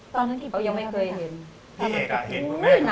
ตอนที่ยังไม่เคยเห็น